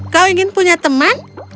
kau ingin punya teman